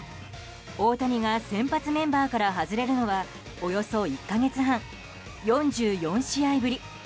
大谷が先発メンバーから外れるのは、およそ１か月半４４試合ぶり。